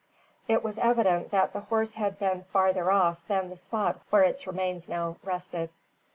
It was evident that the horse had been farther off than the spot where its remains now rested.